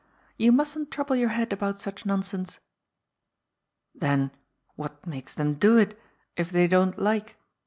You mustn't trouble your head about such nonsense." " Then what makes them do it if they don't like ?